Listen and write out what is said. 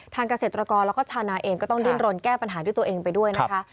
เกษตรกรแล้วก็ชาวนาเองก็ต้องดิ้นรนแก้ปัญหาด้วยตัวเองไปด้วยนะคะ